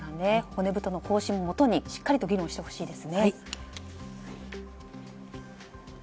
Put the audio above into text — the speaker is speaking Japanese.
骨太の方針のもとにしっかり議論してほしいですね。